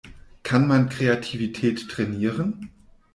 Kann man Kreativität trainieren?